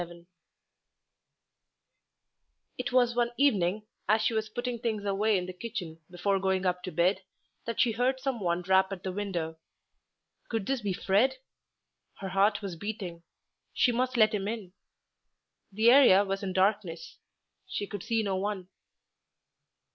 XXVII It was one evening as she was putting things away in the kitchen before going up to bed that she heard some one rap at the window. Could this be Fred? Her heart was beating; she must let him in. The area was in darkness; she could see no one.